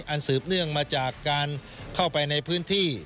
สืบเนื่องมาจากการเข้าไปในพื้นที่